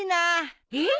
えっ！？